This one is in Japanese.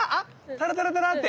タラタラタラって？